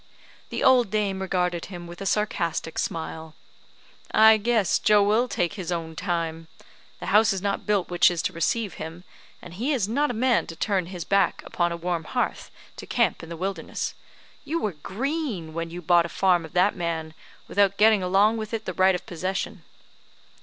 The old dame regarded him with a sarcastic smile. "I guess, Joe will take his own time. The house is not built which is to receive him; and he is not a man to turn his back upon a warm hearth to camp in the wilderness. You were green when you bought a farm of that man, without getting along with it the right of possession."